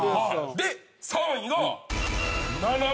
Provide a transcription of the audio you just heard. で３位が。